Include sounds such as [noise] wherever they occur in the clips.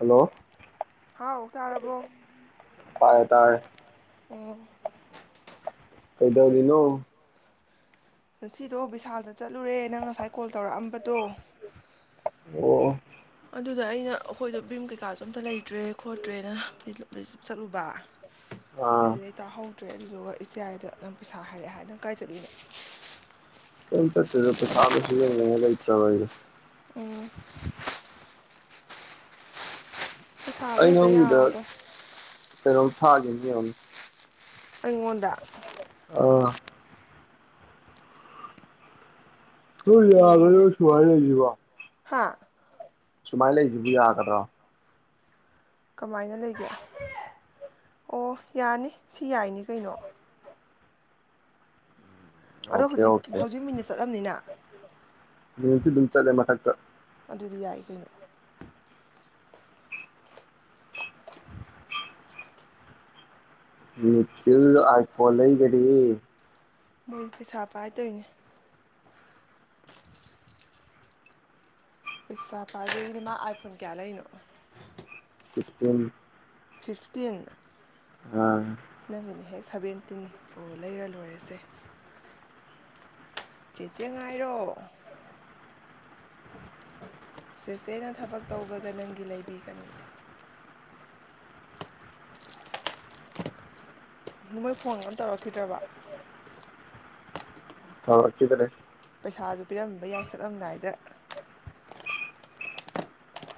hello [unintelligible] ꯍꯥꯎ ꯇꯥꯔꯕꯣ ꯇꯥꯔꯦ ꯇꯥꯔꯦ ꯑꯣ ꯀꯩꯗꯧꯔꯤꯅꯣ ꯉꯁꯤꯗꯣ ꯕꯤꯁꯥꯜꯗ ꯆꯠꯂꯨꯔꯦ ꯅꯪ ꯉꯁꯥꯏ ꯀꯣꯜ ꯇꯧꯔꯛꯑꯝꯕꯗꯣ ꯑꯣ ꯑꯗꯨꯗ ꯑꯩꯅ ꯑꯩꯈꯣꯏꯗꯣ ꯚꯤꯝ ꯀꯩꯀꯥꯁꯨ ꯑꯃꯇ ꯂꯩꯇ꯭ꯔꯦ ꯈꯣꯠꯇ꯭ꯔꯦꯅ [unintelligible] ꯆꯠꯂꯨꯕ ꯑꯥ [unintelligible] ꯇꯥꯍꯧ ꯇ꯭ꯔꯦ ꯑꯗꯨꯗꯨꯒ ꯏꯆꯦ ꯌꯥꯏꯗ ꯅꯪ ꯄꯩꯁꯥ ꯍꯥꯏꯔꯛꯑꯦ ꯍꯥꯏ ꯅꯪ ꯀꯥꯏ ꯆꯠꯂꯨꯏꯅꯣ ꯀꯌꯤꯝ ꯆꯠꯇꯦꯗ ꯄꯩꯁꯥ ꯑꯝꯇ ꯁꯤꯟꯅꯅꯕ ꯂꯩꯇ꯭ꯔꯕ ꯑꯩꯗꯣ ꯎꯝ [inaudible] ꯑꯩ ꯅꯪꯒꯤꯗ [unintelligible] ꯀꯩꯅꯣꯝ ꯊꯥꯒꯤꯕꯅꯤ ꯌꯦꯡꯉꯣ ꯑꯩꯉꯣꯟꯗ ꯑꯥ [unintelligible] ꯍꯥꯥ ꯁꯨꯃꯥꯏ ꯂꯩꯕꯗꯤ ꯌꯥꯒꯗ꯭ꯔꯣ ꯀꯃꯥꯏꯅ ꯂꯩꯒꯦ ꯑꯣ ꯌꯥꯅꯤ ꯁꯤ ꯌꯥꯏꯅꯤ ꯀꯩꯅꯣ ꯑꯗꯣ ꯑꯣꯀꯦ ꯍꯧꯖꯤꯛ ꯑꯣꯀꯦ ꯍꯧꯖꯤꯛ ꯃꯤꯅꯠ ꯆꯠꯂꯝꯅꯤꯅ ꯃꯤꯅꯠꯇꯤ ꯑꯗꯨꯝ ꯆꯠꯂꯦ ꯃꯊꯛꯇ ꯑꯗꯨꯗꯤ ꯌꯥꯏ ꯀꯩꯅꯣ ꯅꯤꯈꯤꯜ ꯑꯥꯏꯐꯣꯟ ꯂꯩꯒꯔꯦ ꯃꯣꯏ ꯄꯩꯁꯥ ꯄꯥꯏ ꯇꯩꯅꯦ ꯄꯩꯁꯥ ꯄꯥꯏꯕꯒꯤꯅꯦ ꯃꯥ ꯑꯥꯏꯐꯣꯟ ꯀꯌꯥ ꯂꯩꯔꯤꯅꯣ ꯐꯤꯐꯇꯤꯟ ꯐꯤꯐꯇꯤꯟ ꯎꯝ ꯅꯪꯒꯤꯅ ꯍꯦꯛ ꯁꯕꯦꯟꯇꯤꯟ ꯄ꯭ꯔꯣ ꯂꯩꯔ ꯂꯣꯏꯔꯦꯁꯦ ꯆꯦꯆꯦ ꯉꯥꯏꯔꯣ ꯆꯦꯆꯦꯅ ꯊꯕꯛ ꯇꯧꯕꯒ ꯅꯪꯒꯤ ꯂꯩꯕꯤꯒꯅꯤ ꯃꯣꯏ ꯐꯣꯟ ꯑꯝ ꯇꯧꯔꯛꯈꯤꯗ꯭ꯔꯕ ꯇꯧꯔꯛꯈꯤꯗ꯭ꯔꯦ ꯄꯩꯁꯥꯁꯨ ꯄꯤꯔꯝꯕ ꯌꯥꯏ ꯆꯠꯂꯝꯗꯥꯏꯗ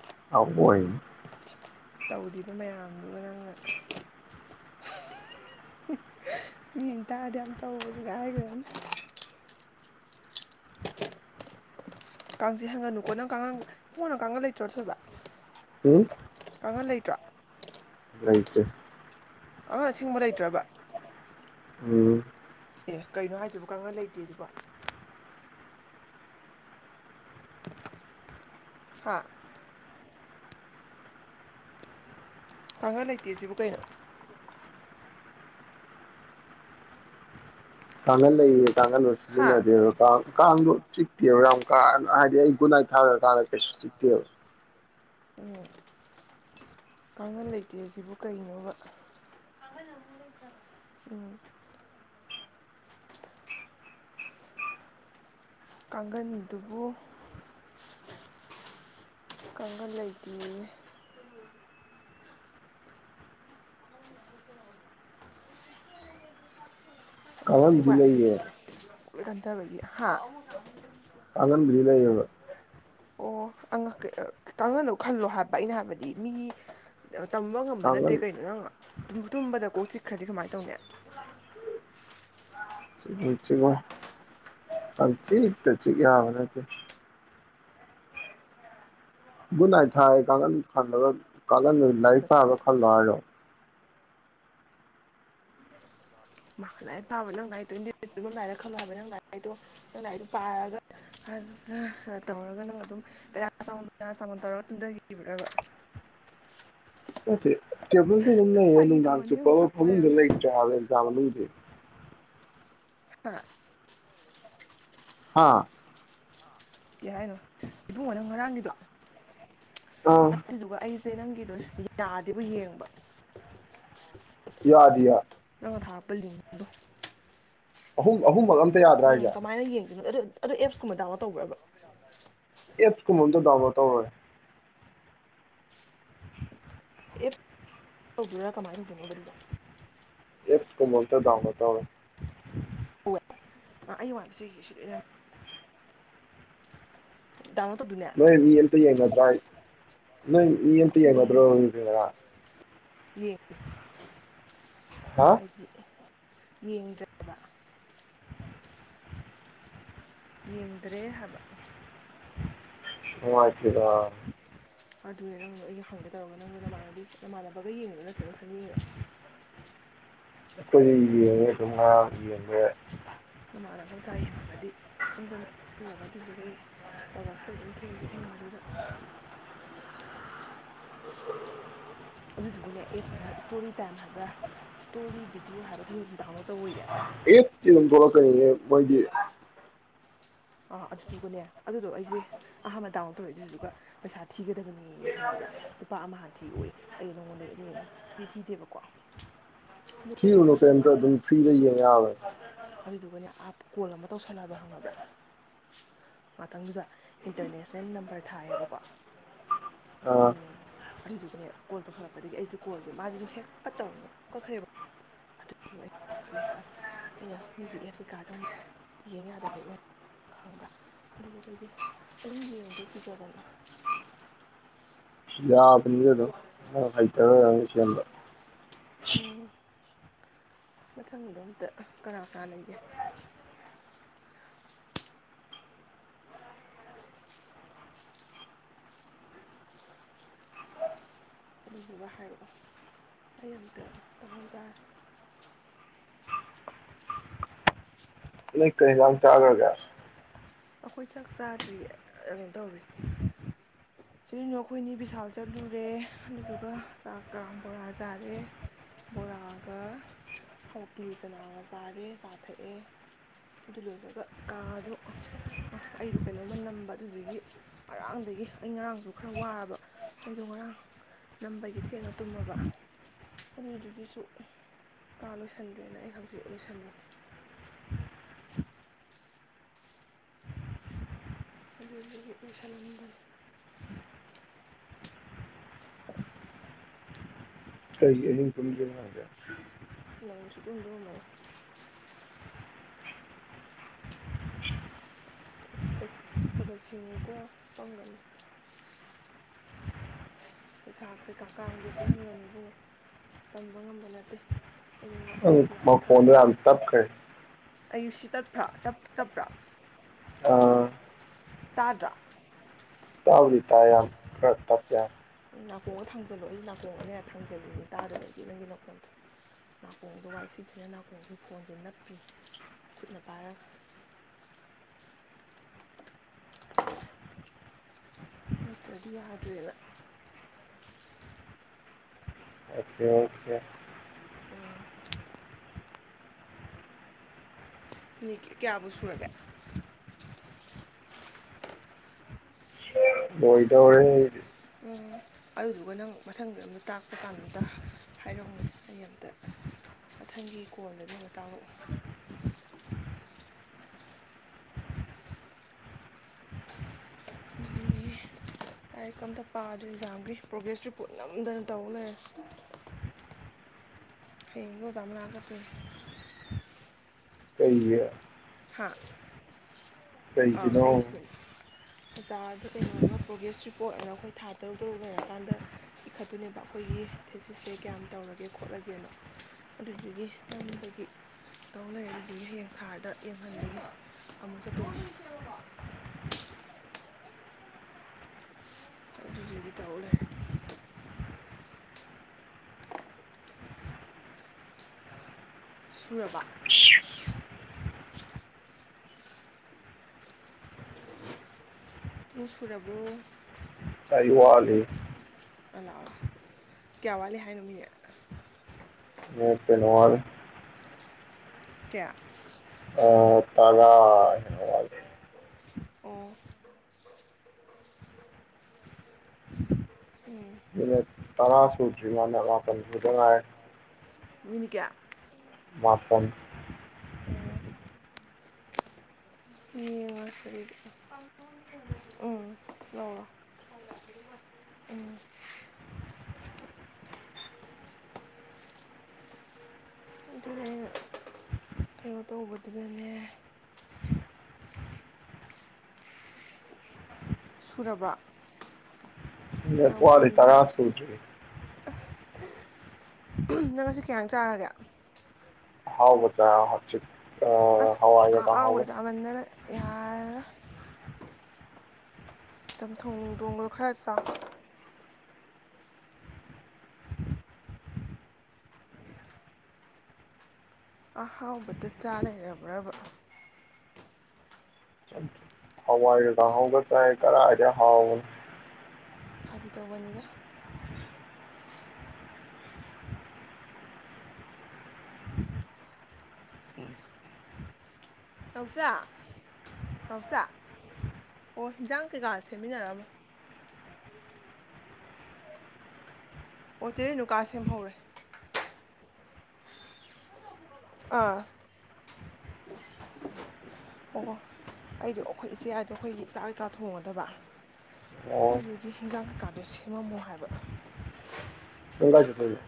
[inaudible] ꯇꯧꯔꯤꯕ ꯃꯌꯥꯝꯗꯨꯒ ꯅꯪꯅ ꯃꯤꯅ ꯇꯥꯥꯔꯗꯤ ꯌꯥꯝ ꯇꯧꯕꯁꯦ ꯉꯥꯏꯒꯔꯅꯤ ꯀꯥꯡ ꯆꯤꯛꯍꯟꯒꯅꯨꯀꯣ ꯅꯪ ꯀꯥꯡꯒꯟ ꯏꯕꯨꯡꯉꯣ ꯅꯪ ꯀꯥꯡꯒꯜ ꯂꯩꯇ꯭ꯔꯣ ꯊꯣꯏꯕ ꯎꯝ ꯀꯥꯡꯒꯜ ꯂꯩꯇ꯭ꯔꯣ ꯂꯩꯇꯦ ꯀꯥꯡꯒꯜ ꯑꯁꯦꯡꯕ ꯂꯩꯇ꯭ꯔꯕ ꯎꯝ ꯑꯦ ꯀꯩꯅꯣ ꯍꯥꯏꯁꯤꯕꯣ ꯀꯥꯡꯒꯜ ꯂꯩꯇꯦꯁꯤꯕꯣ ꯍ ꯀꯥꯡꯒꯜ ꯂꯩꯇꯦ ꯁꯤꯕꯨ ꯀꯩꯅꯣ ꯀꯥꯡꯒꯜ ꯂꯩꯌꯦ ꯀꯥꯡꯒꯜꯗꯨ ꯍꯥ ꯁꯤꯖꯤꯟꯅꯗꯦꯕ ꯀꯥ ꯀꯥꯡꯗꯨ ꯆꯤꯛꯇꯦꯕ ꯌꯥꯝ ꯀꯥ ꯅ ꯍꯥꯏꯗꯤ ꯑꯩ ꯒꯨꯠꯅꯥꯏ ꯊꯥꯒ꯭ꯔ ꯀꯥꯟꯗ ꯀꯩꯁꯨ ꯆꯤꯛꯇꯦꯕ ꯎꯝ ꯀꯥꯡꯒꯜ ꯂꯩꯇꯦ ꯁꯤꯕꯨ ꯀꯩꯅꯣꯕ ꯀꯥꯡꯒꯜ ꯑꯃꯨꯛ ꯂꯩꯇꯕꯥ ꯎꯝ ꯀꯥꯡꯒꯟꯗꯨꯕꯨ ꯀꯥꯡꯒꯜ ꯂꯩꯇꯦꯌꯦ ꯑꯥ ꯑꯩ ꯀꯥꯡꯈꯟꯕꯨꯗꯤ ꯋꯥꯏ ꯑꯝ ꯂꯩꯌꯦ ꯁꯤꯠꯈꯤꯒꯦ ꯂꯣꯏ ꯀꯟꯊꯕꯒꯤ ꯍꯥ ꯀꯥꯉꯟꯕꯨꯗꯤ ꯂꯩꯌꯦꯕ ꯑꯣ ꯑꯉ ꯀꯦ ꯑ ꯀꯥꯡꯒꯜꯗꯣ ꯈꯜꯂꯣ ꯍꯥꯏꯕ ꯑꯩꯅ ꯍꯥꯏꯕꯗꯤ ꯃꯤꯒꯤ ꯇꯝꯕ ꯉꯝꯕ ꯅꯠꯇꯦ ꯀꯥꯡꯈꯟ ꯀꯩꯅꯣ ꯅꯪ ꯉ ꯇꯨꯝ ꯇꯨꯝꯕꯗ ꯀꯣ ꯆꯤꯛꯈ꯭ꯔꯗꯤ ꯀꯃꯥꯏꯅ ꯇꯧꯅꯤ ꯆꯤꯡꯉꯣꯏ ꯄꯪꯆꯤꯛꯇ ꯆꯤꯛ ꯌꯥꯕ ꯅꯠꯇꯦ ꯒꯨꯠꯅꯥꯥꯏꯠ ꯊꯥꯏ ꯀꯥꯡꯒꯜ ꯈꯜꯂꯒ ꯀꯥꯒꯟ ꯂꯥꯏꯔꯤꯛ ꯄꯥꯕ ꯈꯜꯂꯣ ꯍꯥꯏꯔꯣ ꯃ ꯂꯥꯏꯔꯤꯛ ꯄꯥꯕ ꯅꯪ ꯂꯥꯏꯔꯤꯛ [unintelligible] ꯇꯨꯝꯃꯝꯗꯥꯏꯗ ꯈꯜꯂꯣ ꯍꯥꯏꯕ ꯅꯪ ꯂꯥꯏꯔꯤꯛꯇꯣ ꯅꯪ ꯂꯥꯏꯔꯤꯛꯗꯣ ꯄꯥꯔꯒ ꯍꯖꯥ ꯅ ꯇꯧꯔꯒ ꯅꯪ ꯑꯗꯨꯝ ꯄꯦꯔꯥꯁꯤꯇꯥꯃꯣꯜ ꯄꯦꯔꯥꯁꯤꯇꯥꯃꯣꯜꯦ ꯇꯧꯔ ꯇꯨꯝꯗꯒꯤꯕꯔꯕ ꯅꯠꯇꯦ ꯇꯦꯕꯜꯗ ꯑꯗꯨꯝ ꯂꯩꯌꯦ ꯅꯨꯡꯗꯥꯡ ꯆꯨꯞꯄꯃ ꯁꯥꯎ ꯐꯃꯨꯡꯗ ꯂꯩꯔꯝꯃꯤ ꯂꯩꯇ꯭ꯔꯦ ꯍꯥꯏꯕꯦ ꯑꯦꯛꯖꯥꯝ ꯃꯅꯨꯡꯗꯤ ꯍꯥꯥ [inaudible] ꯍꯥꯥ ꯀꯩ ꯍꯥꯏꯅꯣ ꯏꯕꯨꯡꯉꯣ ꯅꯪ ꯉꯔꯥꯡꯒꯤꯗꯣ ꯑꯥ ꯑꯗꯨꯗꯨꯒ ꯑꯩꯁꯦ ꯅꯪ ꯀꯤꯗꯣ ꯌꯥꯗꯦꯕꯨ ꯌꯦꯡꯕ ꯌꯥꯗꯤꯌꯦ [inaudible] ꯅꯪꯅ ꯊꯥꯔꯛ [unintelligible] ꯄꯨꯡ ꯑꯍꯨꯝꯕꯒ ꯑꯝꯇ ꯌꯥꯗ꯭ꯔꯥ ꯍꯥꯏꯁꯦ ꯌꯦꯡꯗꯣꯏꯅꯣ ꯑꯗꯨ ꯑꯗꯨ ꯑꯦꯞꯁꯀꯨꯝꯕ ꯗꯥꯎꯟꯂꯣꯠ ꯇꯧꯕ꯭ꯔꯕ ꯑꯦꯞꯁ ꯀꯨꯝꯃ ꯗꯥꯎꯟꯂꯣꯠ ꯇꯧꯔꯣꯏ ꯑꯦꯞ ꯇꯧꯕ꯭ꯔ ꯀꯃꯥꯏꯅ ꯇꯧꯗꯣꯏꯅꯣꯕ ꯗꯨꯗꯣ ꯑꯦꯞꯁ ꯀꯨꯝꯕ ꯑꯝꯇ ꯗꯥꯎꯟꯂꯣꯠ ꯇꯧꯔꯣ [unintelligible] ꯗꯥꯎꯟꯂꯣꯗ ꯇꯧꯗꯣꯏꯅꯦ ꯅꯣꯏ ꯃꯤ ꯑꯝꯇ ꯌꯦꯡꯅꯗ꯭ꯔ ꯍꯥꯏ ꯅꯣꯏ ꯃꯤ ꯑꯝꯇ ꯌꯦꯡꯅꯗ꯭ꯔꯕ ꯗꯨꯗꯤ ꯉꯥꯔꯥ ꯌꯦꯡꯗꯦ ꯍꯥ [inaudible] ꯑꯩꯒꯤ ꯌꯦꯡꯗ꯭ꯔꯦ ꯕ ꯌꯦꯡꯗ꯭ꯔꯦ ꯍꯥꯏꯕ ꯅꯨꯡꯉꯥꯏꯇꯦꯗ ꯑꯗꯨꯅꯦ ꯅꯪꯗꯣ ꯑꯩ ꯍꯪꯒꯦ ꯇꯧꯔꯒ ꯅꯪꯗꯣ ꯅꯥꯟꯅꯕꯤ ꯅꯃꯥꯟꯅꯕꯒ ꯌꯦꯡꯉꯤꯔꯣ ꯅꯠꯇ꯭ꯔꯒ ꯊꯥꯅꯤꯡꯉꯤꯔꯣ ꯑꯩꯈꯣꯏꯗꯩꯩ ꯌꯦꯡꯉꯥ ꯑꯗꯨꯝ ꯉꯥꯡ ꯌꯦꯡꯕ ꯌꯥꯏ ꯍꯪꯖꯟ ꯖꯟ ꯂꯕ ꯑꯗꯨꯗꯨꯒꯤ ꯇꯧꯔꯛ ꯇ꯭ꯔꯦ ꯑꯗꯨꯝ ꯊꯦꯡꯁꯨ ꯊꯦꯡꯕ ꯗꯨꯗ ꯑꯗꯨꯗꯨꯒꯅꯦ ꯑꯦꯞꯁ ꯑꯃ ꯁ꯭ꯇꯣꯔꯤ ꯇꯥꯏꯝ ꯍꯥꯏꯕ꯭ꯔꯥ ꯁ꯭ꯇꯣꯔꯤ ꯚꯤꯗꯤꯑꯣ ꯍꯥꯏꯕ ꯑꯗꯨ [unintelligible] ꯑꯦꯞꯁꯇꯤ ꯗꯨꯝ ꯊꯣꯛꯂꯛꯀꯅꯤꯌꯦ ꯃꯣꯏꯗꯤ ꯑꯥ ꯑꯗꯨꯗꯨꯒꯅꯦ ꯑꯗꯨꯗꯣ ꯑꯩꯁꯦ ꯑꯍꯥꯟꯕ ꯗꯥꯎꯟꯂꯣꯠ ꯇꯧꯔꯦ ꯑꯗꯨꯗꯨꯒ ꯄꯩꯁꯥ ꯊꯤꯒꯗꯕꯅꯦ ꯌꯦ ꯍꯪꯉꯕ꯭ꯔꯥ ꯂꯨꯄꯥ ꯑꯃ ꯍꯥꯟ ꯊꯤꯑꯣꯏ ꯑꯩ ꯅꯉꯣꯟꯗꯗꯒꯤ ꯑꯗꯨꯑꯣꯏ ꯊꯤ ꯊꯤꯗꯦꯕꯀꯣ ꯑꯗꯨꯗꯨꯒ ꯊꯤꯔꯨꯅꯨ ꯀꯦꯝꯇ ꯑꯗꯨꯝ ꯐ꯭ꯔꯤꯗ ꯌꯦꯡ ꯌꯥꯕꯅꯦ ꯑꯗꯨꯗꯨꯒꯅꯦ ꯀꯣꯜ ꯑꯃ ꯇꯧꯁꯜꯂꯑꯕ ꯈꯪꯉꯕ꯭ꯔꯥ ꯉꯇꯪꯗꯨꯗ ꯏꯟꯇꯔꯅꯦꯁꯅꯦꯜ ꯅꯝꯕꯔ ꯊꯥꯏꯌꯦꯕꯀꯣ ꯑꯥ ꯎꯝ ꯑꯗꯨꯗꯨꯒꯅꯦ ꯀꯣꯜ ꯇꯧꯁꯜꯂꯛꯄꯗꯒꯤ ꯑꯩꯁꯦ ꯀꯣꯜꯁꯦ ꯃꯥꯏꯗꯨ ꯍꯦꯛ ꯐꯠ ꯇꯧꯔꯝꯕꯒ ꯀꯛꯈ꯭ꯔꯦꯕ ꯑꯗꯨꯗꯨ ꯑꯩ ꯄꯥꯈꯠꯂꯦ ꯑꯁ ꯑꯩꯅ ꯃꯤꯒꯤ ꯑꯦꯞ ꯀꯩꯀꯥꯗꯪ ꯌꯦꯡ ꯌꯥꯗꯕꯩ ꯑꯣꯏ ꯥꯈꯪꯕ꯭ꯔ ꯑꯗꯨꯗꯨꯒꯤ ꯑꯩꯩꯁꯦ ꯑꯗꯨꯝ ꯌꯦꯡꯗ꯭ꯔꯦ ꯀꯤꯖꯗꯅ ꯌꯥꯕꯅꯤꯗ ꯑꯗꯨꯝ ꯃꯥ ꯍꯩꯇꯕꯒꯤ ꯑꯣꯏꯔꯝꯅꯤ ꯁꯦꯝꯕ ꯎꯝ ꯃꯊꯪꯗꯣ ꯑꯝꯇ ꯀꯅꯥ ꯀꯅꯥ ꯂꯩꯒꯦ ꯑꯗꯨꯗꯨꯒ ꯍꯥꯏꯔꯛꯑꯣ ꯑꯩ ꯑꯃꯨꯛꯇ ꯇꯧꯍꯧ ꯇꯥꯔꯦ ꯅꯪ ꯀꯩ ꯏꯟꯁꯥꯡ ꯆꯥꯈ꯭ꯔꯒꯦ ꯑꯩꯈꯣꯏ ꯆꯥꯛ ꯆꯥꯗ꯭ꯔꯤ ꯑꯅꯣ ꯇꯧꯔꯦ ꯆꯦꯅꯨ ꯑꯩꯈꯣꯏꯅꯤ ꯕꯤꯁꯥꯜ ꯆꯠꯂꯨꯔꯦ ꯑꯗꯨꯗꯨꯒ ꯆꯥꯛꯀ ꯕꯣꯔꯥ ꯆꯥꯔꯦ ꯕꯣꯔꯥꯒ ꯍ ꯀꯤꯂꯤꯆꯅꯥꯒ ꯆꯥꯔꯦ ꯆꯥ ꯊꯛꯑꯦ ꯑꯗꯨ ꯂꯣꯏꯕꯒ ꯀꯥꯗꯣ ꯑꯩꯗꯣ ꯀꯩꯅꯣꯝꯃ ꯅꯝꯕ ꯑꯗꯨꯗꯨꯒꯤ ꯉꯔꯥꯡꯗꯒꯤ ꯑꯩ ꯉꯔꯥꯡꯁꯨ ꯈꯔ ꯋꯥꯔꯕ ꯑꯩꯗꯣ ꯉꯔꯥꯡ ꯅꯝꯕꯒꯤ ꯊꯦꯡꯅ ꯇꯨꯝꯃꯕ ꯑꯗꯨꯗꯨꯒꯤꯁꯨ ꯀꯥ ꯂꯣꯏꯁꯤꯟꯗ꯭꯭ꯔꯦꯅ ꯑꯩ ꯍꯧꯖꯤꯛ ꯂꯣꯏꯁꯜꯂꯤꯅꯦ ꯑꯗꯨꯗꯤ ꯂꯣꯏꯁꯂꯝꯃꯣ ꯐꯖꯅ [inaudible] ꯀꯩꯒꯤ ꯑꯍꯤꯡ ꯇꯨꯝꯗ꯭ꯔꯤꯕ ꯅꯪꯗꯤ ꯁꯨꯛꯇꯨꯝ ꯇꯨꯝꯃꯝꯃꯔꯣꯏ [unintelligible] ꯈꯒ ꯁꯤꯡꯉꯨꯀꯣ ꯄꯪꯒꯅꯨ ꯄꯩꯁꯥ ꯀꯩꯀꯥ ꯀꯥꯡꯗꯣ ꯆꯤꯛꯍꯟꯒꯅꯨ ꯏꯕꯨꯡꯉꯣ ꯇꯝꯕ ꯉꯝꯕ ꯅꯠꯇꯦ ꯑꯗꯨꯅ ꯎꯝ ꯃꯥꯈꯣꯟꯗꯣ ꯌꯥꯝꯅ ꯇꯞꯈꯔꯦ ꯑꯌꯨ ꯁꯤ ꯇꯠꯄ꯭ꯔꯥ ꯇꯞꯄ꯭ꯔꯥ ꯑꯥ ꯇꯗ꯭ꯔꯥ ꯇꯥꯕꯨꯗꯤ ꯇꯥꯏ ꯌꯥꯝ ꯈꯔ ꯇꯞꯄꯦ ꯅꯥꯀꯣꯡꯗ ꯊꯥꯡꯖꯜꯂꯣ ꯑꯩ ꯅꯥꯀꯣꯡꯗꯅꯦ ꯊꯥꯡꯖꯜꯂꯤꯅꯤ ꯇꯥꯗꯕꯒꯤ ꯅꯪꯒꯤ ꯅꯈꯣꯟꯗꯣ ꯅꯥꯀꯣꯡꯗꯣ ꯋꯥꯏ ꯁꯤꯠꯁꯤꯠꯅ ꯅꯥꯀꯣꯡꯗ ꯐꯣꯟꯁꯦ ꯅꯞꯄꯤꯅꯤ ꯈꯨꯠꯅ ꯄꯥꯏꯔꯒ ꯅꯠꯇ꯭ꯔꯗꯤ ꯌꯥꯗ꯭ꯔꯦꯗ ꯑꯣꯀꯦ ꯑꯣꯀꯦ ꯎꯝ ꯃꯤ ꯀꯌꯥꯕꯨ ꯁꯨꯔꯒꯦ ꯑꯣꯏꯗꯣꯔꯦ ꯎꯝ ꯑꯗꯨꯗꯨꯒ ꯅꯪ ꯃꯊꯪꯗ ꯑꯝꯇ ꯇꯥꯛꯄ ꯀꯥꯟꯗ ꯑꯝꯇ ꯍꯥꯏꯔꯛꯎꯅꯦ ꯑꯩ ꯑꯝꯇ ꯃꯊꯪꯒꯤ ꯀꯣꯜꯗꯗꯤ ꯑꯝꯇ ꯇꯥꯛꯂꯛꯑꯣ ꯑꯗꯨꯗꯒꯤ ꯂꯥꯏꯔꯤꯛ ꯀ ꯑꯝꯇ ꯄꯥꯗ꯭ꯔꯦ ꯑꯦꯛꯖꯥꯝꯒꯤ ꯄ꯭ꯔꯣꯒ꯭ꯔꯦꯁ ꯔꯤꯄꯣꯔꯠ ꯅꯝꯗꯅ ꯇꯧ ꯂꯩꯔꯦ ꯍꯌꯦꯡꯁꯨ ꯑꯣꯖꯥ ꯃꯥꯅꯥꯛꯇ ꯆꯠꯇꯣꯏꯅꯤ [inaudible] ꯀꯩꯒꯤ ꯍꯥꯥ [inaudible] ꯑꯥ ꯀꯩꯒꯤꯅꯣ ꯑꯩ ꯁꯦ ꯕꯖꯥꯔꯗ ꯀꯩꯅꯣꯝꯃ ꯄ꯭ꯔꯣꯒ꯭ꯔꯦꯁ ꯔꯤꯄꯣꯔꯠ ꯑꯅ ꯑꯩꯈꯣꯏ ꯊꯥ ꯇꯔꯨꯛ ꯇꯔꯨꯛ ꯂꯩꯔꯀꯥꯟꯗ ꯏꯈꯠꯇꯣꯏꯅꯦꯕ ꯑꯩꯈꯣꯏꯒꯤ ꯊꯦꯁꯤꯁꯁꯦ ꯀꯌꯥꯝ ꯇꯧꯔꯒꯦ ꯈꯣꯠꯂꯒꯦꯅ ꯑꯗꯨꯗꯨꯒꯤ ꯅꯝꯕꯒꯤ ꯇꯧ ꯂꯩꯔꯦ ꯑꯗꯨꯗꯨꯒꯤ ꯍꯌꯦꯡ ꯊꯥꯔ ꯗ ꯌꯦꯡꯍꯟꯕꯒꯤ ꯑꯃꯨꯛ ꯆꯠꯇꯣꯏꯅꯤ [inaudible] ꯑꯗꯨꯗꯨꯒꯤ ꯇꯧ ꯂꯩꯔꯦ ꯁꯨꯔꯕ [inaudible] [inaudible] ꯄꯨꯡ ꯁꯨꯔꯔꯕ꯭ꯔꯣ ꯑꯩ ꯋꯥꯠꯂꯤ [unintelligible] ꯀꯌꯥ ꯋꯥꯠꯂꯤ ꯍꯥꯏꯅꯣ ꯃꯤ [unintelligible] ꯀ꯭ꯌꯥ [unintelligible] ꯑꯣ [inaudible] ꯇꯔꯥ ꯁꯨꯗ꯭ꯔꯤ [unintelligible] ꯃꯥꯄꯜ ꯈꯛꯇ ꯉꯥꯏꯔꯦ ꯃꯤꯅꯤꯠ ꯀꯌꯥ ꯃꯥꯄꯜ ꯑꯣ ꯌꯦꯡꯉꯁꯦ ꯑꯗꯨꯗꯤ ꯎꯝ ꯂꯧꯔꯣ ꯎꯝ ꯑꯗꯨꯅꯦ ꯑꯩꯅ ꯀꯩꯅꯣ ꯇꯧꯕꯗꯨꯗꯅꯦ ꯁꯨꯔꯕ ꯃꯤꯅ ꯌꯥꯝ [unintelligible] ꯇꯔꯥ ꯀꯨꯏꯈ꯭ꯔꯦ ꯁꯨꯗ꯭ꯌꯦꯔꯤ ꯅꯪ ꯉꯁꯤ ꯀꯩ ꯏꯟꯖꯥꯡ ꯆꯥꯔꯒꯦ ꯑꯍꯥꯎꯕ ꯆꯥ ꯍꯧꯖꯤꯛ ꯑ ꯑꯁ ꯍꯋꯥꯏꯒ ꯀꯥꯡꯍꯧꯒ ꯑꯍꯥꯎꯕ ꯆꯥꯃꯟꯗꯅ ꯌꯥꯔꯔꯣꯏ ꯆꯝꯊꯣꯡ ꯊꯣꯡꯕꯗꯣ ꯈꯔ ꯆꯥꯎ ꯑꯍꯥꯎꯕꯗ ꯆꯥ ꯂꯩꯔꯕ꯭ꯔꯕ ꯍꯋꯥꯏꯒ ꯒ ꯀꯥꯍꯥꯎꯒ ꯆꯥꯏ ꯀꯔꯥꯏꯗ ꯍꯥꯎ ꯐꯥꯒꯤ ꯇꯧꯕꯅꯤꯗ ꯑꯝ ꯅꯥꯎꯆꯥ ꯅꯥꯎꯆꯥ ꯑꯣ ꯍꯤꯟꯖꯥꯡ ꯀꯩꯀꯥ ꯁꯦꯝꯃꯤꯟꯅꯔꯝꯃꯣ ꯑꯣ ꯆꯦ ꯔꯦꯅꯨꯀꯥ ꯁꯦꯝꯍꯧꯔꯦ ꯑꯥ ꯑꯣ ꯑꯣ ꯑꯩꯗꯣ ꯑꯩꯈꯣꯏ ꯏꯆꯦ ꯍꯥꯏꯗꯣ ꯑꯩꯈꯣꯏꯒꯤ ꯆꯥꯛ ꯀꯩꯀꯥ ꯊꯣꯡꯒꯗꯕ ꯑꯣ ꯑꯗꯨꯗꯨꯒꯤ ꯍꯤꯟꯖꯥꯡ ꯀꯩꯀꯥꯗꯣ ꯁꯦꯝꯃꯝꯃꯣ ꯍꯥꯏꯕ ꯅꯠꯇ꯭ꯤꯌꯦꯔ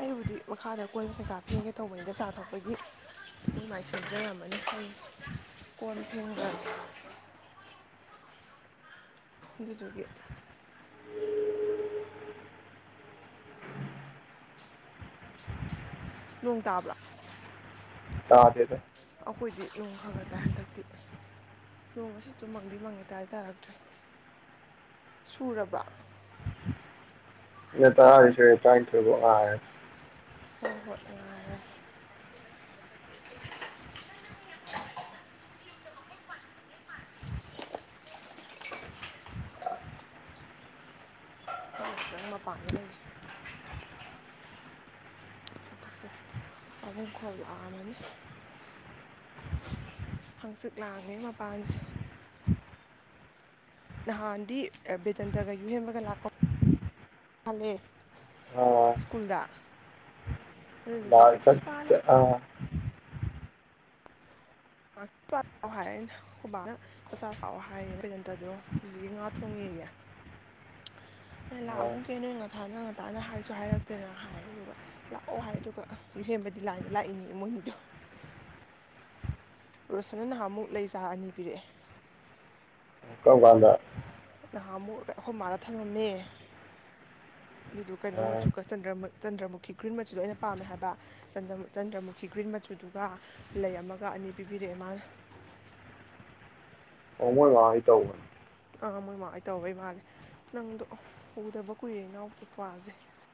ꯑꯩꯕꯨꯗꯤ ꯃꯈꯥꯗ ꯀꯣꯟ ꯀꯩꯀꯥ ꯐꯦꯡꯒꯦ ꯇꯧꯕꯅꯤꯗ ꯆꯥ ꯊꯛꯄꯒꯤ ꯃꯣꯏ ꯃꯥꯏ ꯁꯦꯝꯖꯔꯝꯃꯅꯤ ꯀꯣꯟ ꯐꯦꯡꯕ ꯗꯨ ꯗꯨ ꯒꯤ ꯅꯣꯡ ꯇꯥꯕ꯭ꯔꯣ ꯇꯥꯗꯦꯗ ꯑꯩꯈꯣꯏꯗꯤ ꯅꯣꯡ ꯈ ꯈ ꯇꯥꯏ ꯍꯟꯗꯛꯇꯤ ꯅꯣꯡ ꯉꯁꯤꯁꯨ ꯃꯪꯗꯤ ꯃꯪꯉꯦ ꯇꯥꯗꯤ ꯇꯥꯔꯛꯇ꯭ꯔꯤ ꯁꯨꯔꯕ꯭ꯔꯣ ꯑꯩꯅ ꯇꯥꯔꯤꯁꯦ ꯇꯥꯢ ꯈꯨꯝꯃꯣ ꯑ ꯅ ꯍꯣ ꯍꯣꯢ [unintelligible] ꯃꯄꯥꯟꯗ ꯂꯩꯔꯤ [unintelligible] ꯍꯩꯅꯩ ꯈꯣꯟ ꯂꯥꯛꯑꯝꯃꯅꯤ ꯍꯪꯆꯤꯠ ꯂꯥꯡꯉꯦ ꯃꯄꯥꯟꯁꯦ ꯅꯍꯥꯟꯗꯤ ꯕꯦꯗꯟꯇꯒ ꯌꯨꯍꯦꯟꯕꯒ ꯂꯥꯛꯄ ꯍꯥꯜꯂꯦ ꯑꯥ ꯁ꯭ꯀꯨꯜꯗ ꯑꯗꯨꯗꯨꯒ ꯆꯦ ꯄꯥꯢꯔ ꯆꯠ ꯄꯨꯁꯄꯥ ꯆꯠꯂꯝꯃꯣ [unintelligible] ꯈꯨꯕꯥꯅ ꯃꯆꯥ ꯆꯥꯎꯑꯣ ꯍꯥꯏꯌꯦ ꯕꯦꯗꯟꯇꯗꯣ ꯍꯧꯖꯤꯛꯀꯤ ꯉꯥ ꯊꯣꯡꯉꯦꯌꯦ ꯑꯩꯅ ꯂꯥꯛꯑꯒꯨꯝ ꯁꯦ ꯅꯣꯏ ꯉꯁꯥꯢꯅ ꯉꯟꯇꯥꯅ ꯍꯥꯏꯁꯨ ꯍꯥꯏꯔꯛꯇꯦꯅ ꯍꯥꯏꯔꯦ ꯑꯗꯨꯗꯨꯒ ꯂꯥꯛꯑꯣ ꯍꯥꯏꯔꯦ ꯑꯗꯨꯒ ꯌꯨꯍꯦꯟꯕꯗꯤ ꯂꯥꯏꯟꯗ ꯂꯥꯛꯏꯅꯦ ꯌꯦ ꯃꯣꯏꯅꯤꯗꯣ ꯔꯣꯁꯟꯅ ꯅꯍꯥꯟꯃꯨꯛ ꯂꯩꯆꯥꯔ ꯑꯅꯤ ꯄꯤꯔꯛꯑꯦ ꯀꯔꯝ ꯀꯥꯟꯗ ꯅꯍꯥꯃꯨꯛ ꯑꯩꯈꯣꯏ ꯃꯥꯗ ꯊꯝꯃꯝꯃꯦ ꯑꯗꯨꯗꯨ ꯀꯩꯅꯣ ꯑꯥ ꯃꯆꯨꯒ ꯆꯟꯗ꯭ꯔꯃ ꯆꯟꯗ꯭ꯔꯃꯨꯈꯤ ꯒ꯭ꯔꯤꯟ ꯃꯆꯨ ꯑꯩꯅ ꯄꯥꯝꯃꯦ ꯍꯥꯏꯕ ꯆꯟꯗ꯭ꯔꯃ ꯆꯟꯗ꯭ꯔꯃꯨꯈꯤ ꯒ꯭ꯔꯤꯟ ꯃꯆꯨꯗꯨꯒ ꯂꯩ ꯑꯃꯒ ꯑꯅꯤ ꯄꯤꯕꯤꯔꯛꯑꯦ ꯃꯥꯅ ꯑꯣ ꯃꯣꯏ ꯃꯥ ꯍꯣꯏ ꯇꯧꯕꯅꯤ ꯑ ꯑꯥ ꯃꯣꯏꯃꯥ ꯍꯣꯏ ꯇꯧꯕꯩ ꯃꯥꯜꯂꯦ ꯅꯪꯗꯣ ꯎꯗꯕ ꯀꯨꯏꯔꯦ ꯏꯅꯥꯎ ꯏꯄꯥ꯭ꯁꯦ